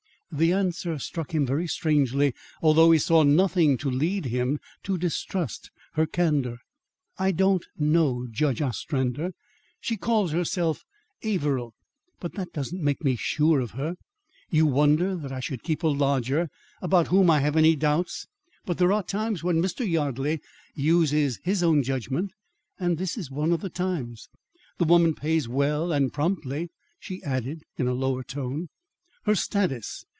The answer struck him very strangely, though he saw nothing to lead him to distrust her candour. "I don't know, Judge Ostrander. She calls herself Averill, but that doesn't make me sure of her. You wonder that I should keep a lodger about whom I have any doubts, but there are times when Mr. Yardley uses his own judgment, and this is one of the times. The woman pays well and promptly," she added in a lower tone. "Her status?